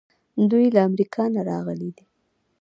دوی له امریکا نه راغلي دي.